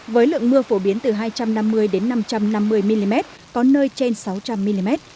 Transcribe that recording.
với lượng mưa phổ biến từ hai trăm năm mươi năm trăm năm mươi mm có nơi trên sáu trăm linh mm